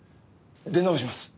出直します。